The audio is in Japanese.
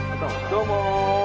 どうも。